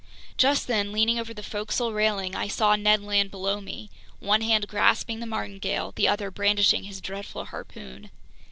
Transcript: Just then, leaning over the forecastle railing, I saw Ned Land below me, one hand grasping the martingale, the other brandishing his dreadful harpoon.